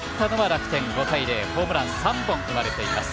５対０、ホームラン３本生まれています。